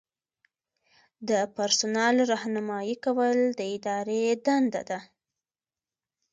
د پرسونل رہنمایي کول د ادارې دنده ده.